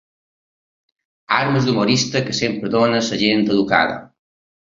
Armes d'humorista que sempre dóna la gent educada.